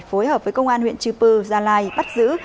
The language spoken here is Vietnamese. phối hợp với công an huyện chư pư gia lai bắt giữ